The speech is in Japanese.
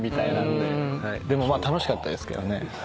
でも楽しかったですけどね。